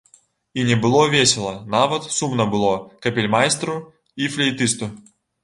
І не было весела, нават сумна было капельмайстру і флейтысту.